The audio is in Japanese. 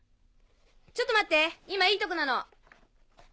ちょっと待って今いいとこなの。